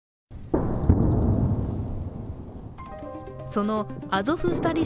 そのアゾフスタリ